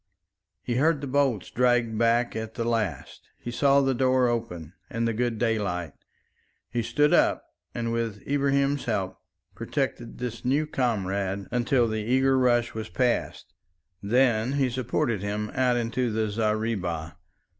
He heard the bolts dragged back at the last; he saw the door open and the good daylight. He stood up and with Ibrahim's help protected this new comrade until the eager rush was past. Then he supported him out into the zareeba.